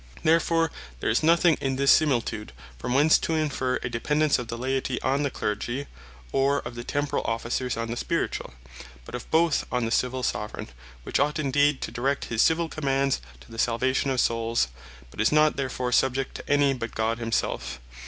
Therefore there is nothing in this similitude, from whence to inferre a dependance of the Laity on the Clergy, or of the Temporall Officers on the Spirituall; but of both on the Civill Soveraign; which ought indeed to direct his Civill commands to the Salvation of Souls; but is not therefore subject to any but God himselfe.